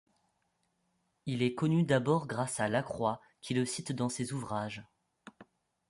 Il est connu d'abord grâce à Lacroix qui le cite dans ses ouvrages.